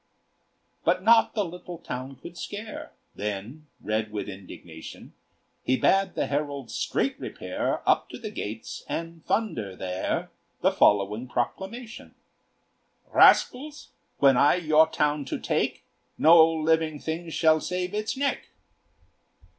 But naught the little town could scare; Then, red with indignation, He bade the herald straight repair Up to the gates, and thunder there The following proclamation: "Rascals! when I your town do take, No living thing shall save its neck!"